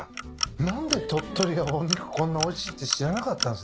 何で鳥取がお肉こんなおいしいって知らなかったんすか？